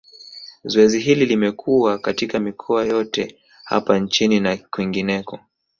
Zoezi hili limekuwa katika mikoa yote hapa nchini na kwingineko